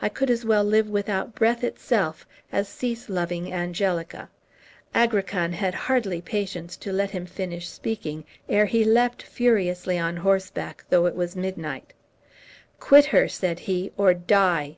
I could as well live without breath itself as cease loving Angelica." Agrican had hardly patience to let him finish speaking, ere he leapt furiously on horseback, though it was midnight. "Quit her," said he, "or die!"